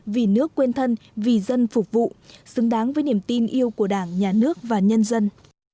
vì nước quên thân vì dân phục vụ xứng đáng với niềm tin yêu của đảng nhà nước và nhân dân